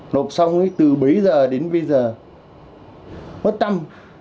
nộp xong từ bấy giờ đến bây giờ mất tâm